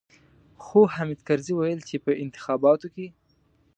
خو حامد کرزي ويل چې په انتخاباتو کې.